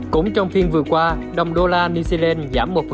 cũng trong phiên vừa qua đồng đô la new zealand giảm một xuống năm trăm sáu mươi hai usd